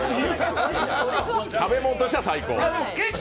食べ物としては最高。